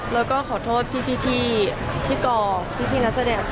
แล้วก็ขอโทษพี่ที่กอพี่นักแสดง